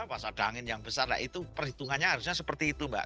pas ada angin yang besar lah itu perhitungannya harusnya seperti itu mbak